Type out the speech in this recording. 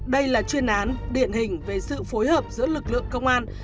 đây là chuyên án điển hình về sự phối hợp giữa lực lượng công an